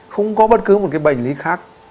không có bất cứ một cái bệnh lý khác